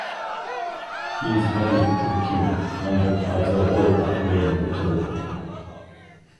He's married to Kim, and has a daughter named Jordyn.